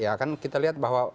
ya kan kita lihat bahwa